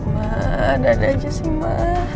ma dada aja sih ma